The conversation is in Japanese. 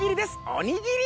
おにぎり！